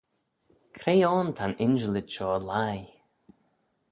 Cre ayn ta'n injillid shoh lhie?